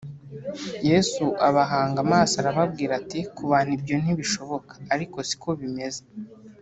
Yesu abahanga amaso arababwira ati ku bantu ibyo ntibishoboka ariko si ko bimeze